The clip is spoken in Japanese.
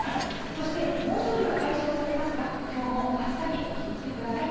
そして猛暑日は解消されますが今日も暑さにお気を付けください。